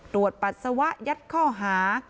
ตรวจปรัสสวะยัดค่อหา